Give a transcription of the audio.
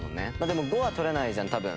でも５は取れないじゃん多分。